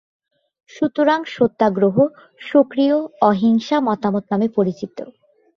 সুতরাং সত্যাগ্রহ সক্রিয় অহিংসা মতবাদ নামে পরিচিত।